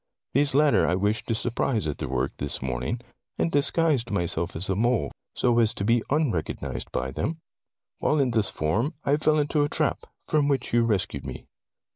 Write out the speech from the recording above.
These latter I wished to surprise at their work, this morning, and disguised myself as a mole so as to be unrecognized by them. While in this form, I fell into a trap, from which you rescued me.